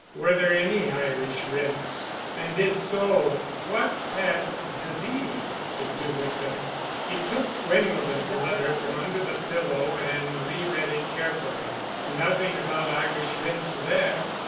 Were there any Irish rents? And if so, what had "de V" to do with them? He took Quinlevin's letter from under the pillow and re read it carefully. Nothing about Irish rents there.